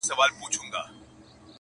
د غرمې پر مهال ږغ د نغارو سو!.